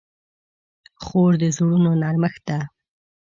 خور د زړونو نرمښت ده.